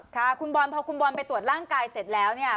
ค่ะคุณบอลพอคุณบอลไปตรวจร่างกายเสร็จแล้วเนี่ย